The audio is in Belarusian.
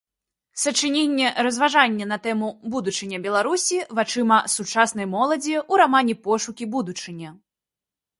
Сачыненне-разважанне на тэму „Будучыня Беларусі вачыма сучаснай моладзі” ў рамане Пошукі будучыні